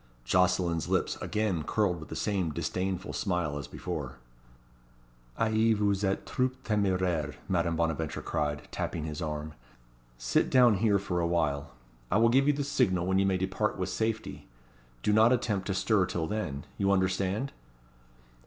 Jocelyn's lips again curled with the same disdainful smile as before. "Ah I vous etes trop temeraire!" Madame Bonaventure cried, tapping his arm. "Sit down here for awhile. I will give you the signal when you may depart with safety. Do not attempt to stir till then. You understand?"